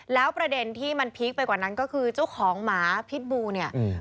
แล้วประเด็นที่มันพีคไปกว่านั้นก็คือเจ้าของหมาพิษบูเนี่ย